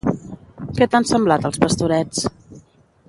Què t'han semblat els Pastorets?